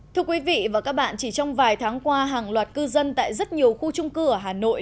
thưa quý vị và các bạn chỉ trong vài tháng qua hàng loạt cư dân tại rất nhiều khu trung cư ở hà nội